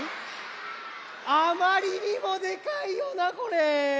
あまりにもでかいよなこれ。